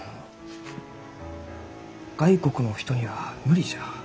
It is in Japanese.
外国のお人には無理じゃ。